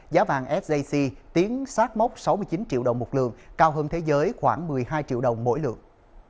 giá vàng sjc tiến sát mốc sáu mươi chín triệu đồng một lượng cao hơn thế giới khoảng một mươi hai triệu đồng mỗi lượng